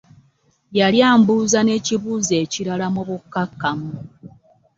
Yali ambuuza n'ekibuuzo ekirala mu bukkakkamu.